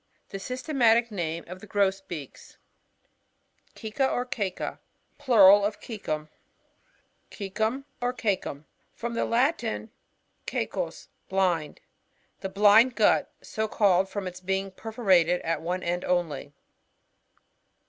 The systematic name of the Grosbeaks. Cceca, or CiECA. — Plural of Coecum. C<ECuii, or CiCcuM. — From the Latin, c<Mu«, blind. The blind gut\ so called from its being perforated at one end only.